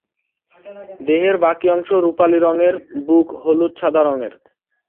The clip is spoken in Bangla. দেহের বাকি অংশ রুপালি রঙের, বুক হলুদ-সাদা রঙের।